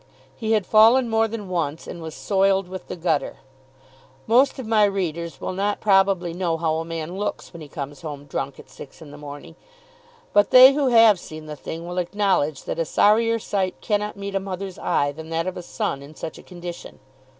He had fallen more than once, and was soiled with the gutter. Most of my readers will not probably know how a man looks when he comes home drunk at six in the morning; but they who have seen the thing will acknowledge that a sorrier sight can not meet a mother's eye than that of a son in such a condition.